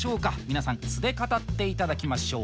皆さん素で語って頂きましょう。